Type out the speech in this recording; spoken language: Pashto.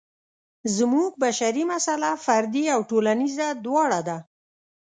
زموږ بشري مساله فردي او ټولنیزه دواړه ده.